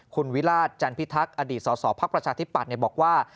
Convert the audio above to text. คุณวิราชจันพิทักษ์อดีตสสพักประชาธิปัตย์บอกว่า